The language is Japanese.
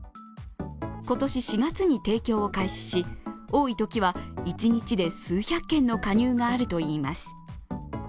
今年４月に提供を開始し、多いときは一日で数百件の加入があるといいます。